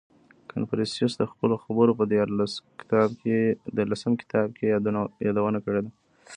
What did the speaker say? • کنفوسیوس د خپلو خبرو په دیارلسم کتاب کې یې یادونه کړې ده.